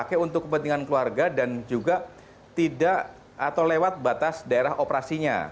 dipakai untuk kepentingan keluarga dan juga tidak atau lewat batas daerah operasinya